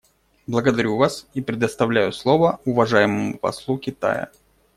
Благодарю вас и предоставляю слово уважаемому послу Китая.